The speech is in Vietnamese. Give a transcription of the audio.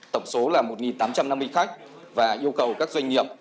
tổng số là một tám trăm năm mươi khách và yêu cầu các doanh nghiệp